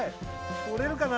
とれるかな？